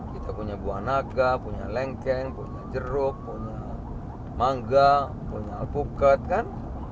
kita punya buah naga punya lengkeng punya jeruk punya mangga punya alpukat kan